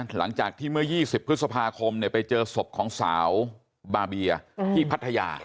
หลังจากที่เมื่อ๒๐พฤษภาคมไปเจอศพของสาวบาเบียที่พัทยา